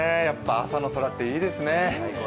やっぱり朝の空っていいですね。